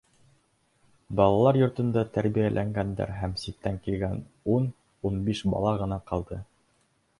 Балалар йортонда тәрбиәләнгәндәр һәм ситтән килгән ун-ун биш бала ғына ҡалды.